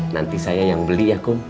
nanti saya yang beli ya kum